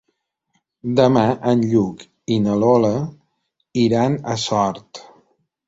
Demà en Lluc i na Lola iran a Sort.